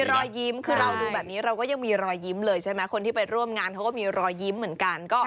รอยยิ้มคือเราดูแบบนี้เราก็ยังมีรอยยิ้มเลยใช่ไหมคนที่ไปร่วมงานเขาก็มีรอยยิ้มเหมือนกัน